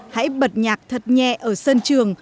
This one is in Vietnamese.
hãy bật nhạc thật nhẹ ở sân trường